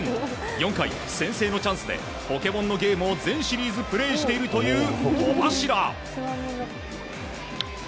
４回、先制のチャンスで「ポケモン」のゲームを全シリーズプレーしているという戸柱。